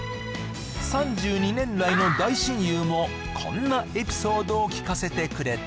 ３２年来の大親友もこんなエピソードを聞かせてくれた